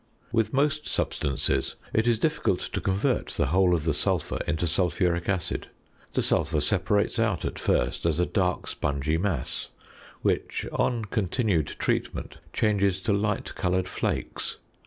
With most substances it is difficult to convert the whole of the sulphur into sulphuric acid. The sulphur separates out at first as a dark spongy mass, which (on continued treatment) changes to light coloured flakes.